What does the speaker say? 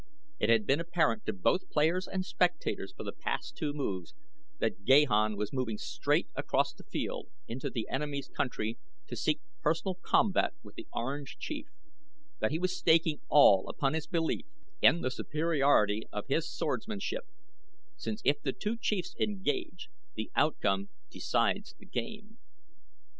It had been apparent to both players and spectators for the past two moves, that Gahan was moving straight across the field into the enemy's country to seek personal combat with the Orange Chief that he was staking all upon his belief in the superiority of his own swordsmanship, since if the two Chiefs engage, the outcome decides the game.